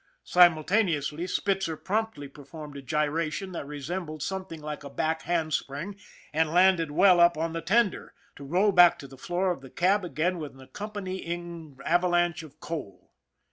Simultaneously, Spitzer promptly performed a gyration that resembled some thing like a back hand spring and landed well up on the tender, to roll back to the floor of the cab again with an accompanying avalanche of coal.